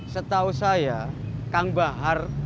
setahu saya kang bahar